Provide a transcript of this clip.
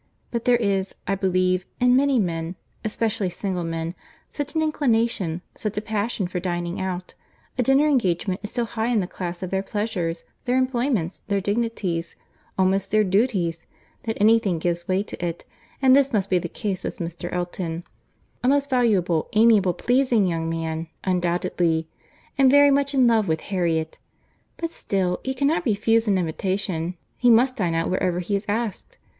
—But there is, I believe, in many men, especially single men, such an inclination—such a passion for dining out—a dinner engagement is so high in the class of their pleasures, their employments, their dignities, almost their duties, that any thing gives way to it—and this must be the case with Mr. Elton; a most valuable, amiable, pleasing young man undoubtedly, and very much in love with Harriet; but still, he cannot refuse an invitation, he must dine out wherever he is asked.